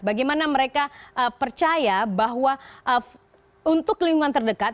bagaimana mereka percaya bahwa untuk lingkungan terdekat